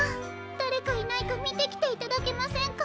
だれかいないかみてきていただけませんか？